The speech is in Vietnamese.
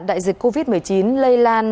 đại dịch covid một mươi chín lây lan